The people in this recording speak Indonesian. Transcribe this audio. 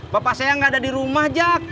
bapak saya nggak ada di rumah jak